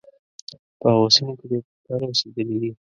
په هغو سیمو کې ډېر پښتانه اوسېدلي دي.